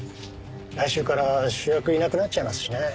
来週から主役いなくなっちゃいますしね。